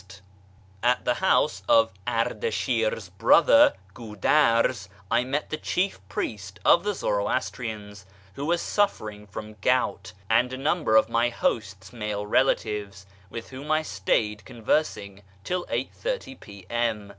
YEZD 375 At the house of Ardashir's brother, Gudarz, I met the chief priest of the Zoroastrians, who was suffering from gout, and a number of my host's male relatives, with whom I stayed con versing till 8.30 P.M.